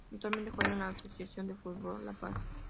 Actualmente juega en la Asociación de Fútbol La Paz.